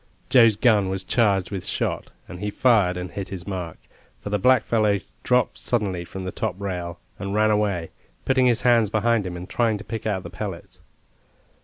Joe's gun was charged with shot, and he fired and hit his mark, for the blackfellow dropped suddenly from the top rail, and ran away, putting his hands behind him, and trying to pick out the pellets.